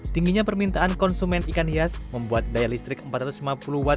tingginya permintaan konsumen ikan hias membuat daya listrik empat ratus lima puluh watt